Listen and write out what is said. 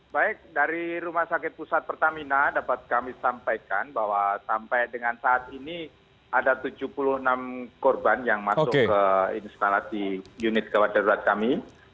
baik dari rumah sakit pusat pertamina dapat kami sampaikan bahwa sampai dengan saat ini ada tujuh puluh enam korban yang masuk ke instalasi unit gawat darurat kami